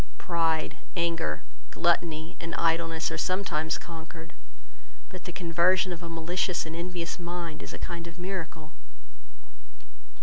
Pride, anger, gluttony, and idleness, are sometimes conquered, but the conversion of a malicious and envious mind is a kind of miracle."